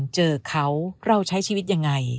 เจอเขาเราใช้ชีวิตยังไง